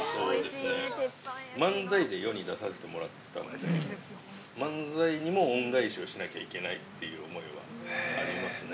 ◆漫才で世に出させてもらったので、漫才にも恩返しをしなきゃいけないっていう思いはありますね。